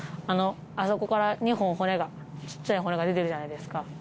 あそこから２本骨がちっちゃい骨が出てるじゃないですか。